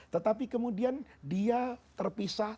tetapi kemudian dia terpisah